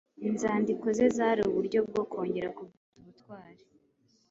inzandiko ze zari uburyo bwo kongera kubyutsa ubutwari